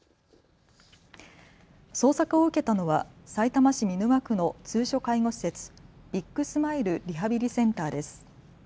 捜索を受けたのはさいたま市見沼区の通所介護施設ビッグスマイルリハビリセンターです。